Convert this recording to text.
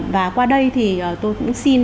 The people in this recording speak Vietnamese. và qua đây thì tôi cũng xin